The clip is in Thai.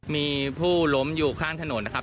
มีผู้ล้มอยู่ข้างถนนนะครับ